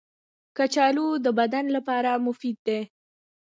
کچالو د بدن لپاره مفید دي